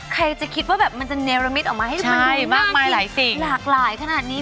ใครจะคิดว่ามันจะเณรลมิตออกมาให้มันดูน่าขิดลากหลายขนาดนี้